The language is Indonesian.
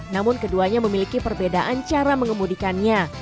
namun keduanya memiliki perbedaan cara mengemudikannya